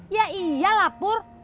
ya iyalah pur